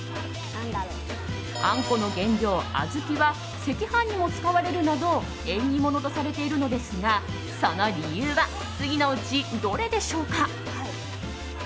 あんこの原料、小豆は赤飯にも使われるなど縁起物とされているのですがその理由は次のうちどれでしょうか？